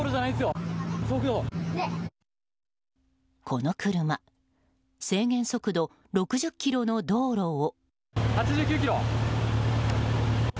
この車制限速度６０キロの道路を。